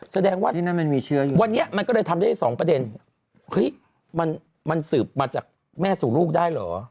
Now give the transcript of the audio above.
แสดงว่าวันนี้มันก็เลยทำได้สองประเด็นเฮ้ยมันสืบมาจากแม่สู่ลูกได้เหรอ